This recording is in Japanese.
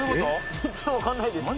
全然わかんないです何？